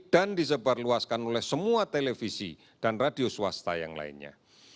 dan disebarluaskan oleh semua televisi dan radio swasta yang lainnya